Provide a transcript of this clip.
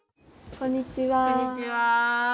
こんにちは。